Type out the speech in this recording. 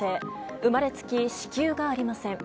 生まれつき子宮がありません。